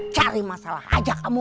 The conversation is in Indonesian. cari masalah aja kamu